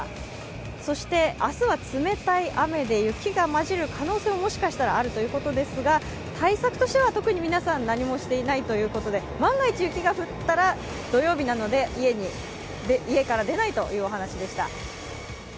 そして明日は冷たい雨で雪が交じる可能性ももしかしたらあるということですが、対策としては特に皆さん、何もしていないということで万が一、雪が降ったら、土曜日なので家から出ないというお話でした。